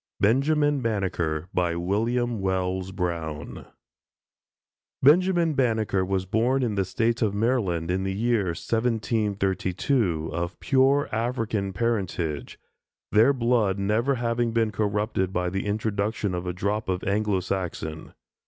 BENJAMIN BANNEKER WILLIAM WELLS BROWN Benjamin Banneker was born in the State of Maryland, in the year 1732, of pure African parentage; their blood never having been corrupted by the introduction of a drop of Anglo Saxon.